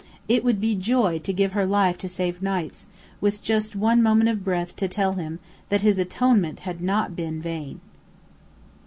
It would be joy to give her life to save Knight's, with just one moment of breath to tell him that his atonement had not been vain.